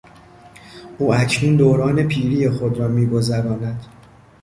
او اکنون دوران پیری خود را میگذراند.